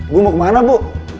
gue mau kemana bu